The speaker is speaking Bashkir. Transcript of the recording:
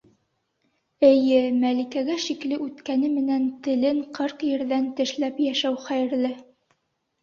Эйе, Мәликәгә шикле үткәне менән телен ҡырҡ ерҙән тешләп йәшәү хәйерле.